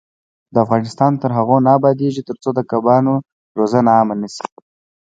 افغانستان تر هغو نه ابادیږي، ترڅو د کبانو روزنه عامه نشي.